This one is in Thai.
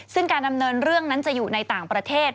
ซึ่งการดำเนินเรื่องนั้นจะอยู่ในต่างประเทศ